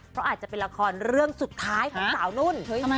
เพราะอาจจะเป็นละครเรื่องสุดท้ายของสาวนุ่น